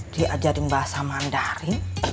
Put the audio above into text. diajarin bahasa mandarin